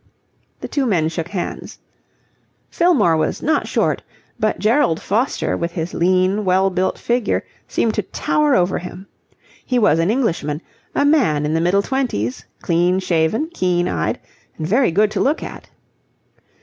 The two men shook hands. Fillmore was not short, but Gerald Foster with his lean, well built figure seemed to tower over him. He was an Englishman, a man in the middle twenties, clean shaven, keen eyed, and very good to look at.